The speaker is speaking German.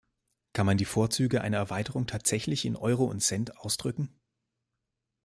Kann man die Vorzüge einer Erweiterung tatsächlich in Euro und Cent ausdrücken?